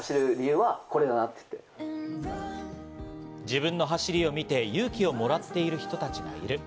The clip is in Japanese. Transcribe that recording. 自分の走りを見て勇気をもらっている人たちがいる。